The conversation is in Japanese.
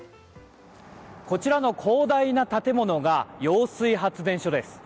こちらの広大な建物が揚水発電所です。